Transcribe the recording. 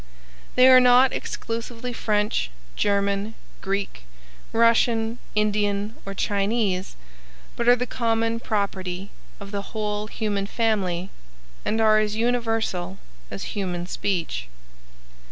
They are not exclusively French, German, Greek, Russian, Indian or Chinese, but are the common property of the whole human family and are as universal as human speech.